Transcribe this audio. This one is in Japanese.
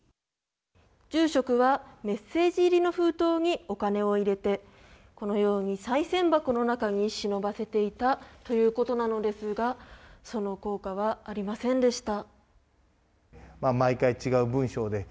住職はメッセージ入りの封筒にお金を入れてこのようにさい銭箱の中に忍ばせていたということなのですがその効果はありませんでした。